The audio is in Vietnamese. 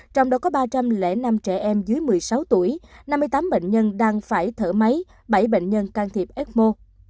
trong đó có ba trăm linh năm trẻ em dưới một mươi sáu tuổi năm mươi tám bệnh nhân đang phải thở máy bảy bệnh nhân can thiệp ecmo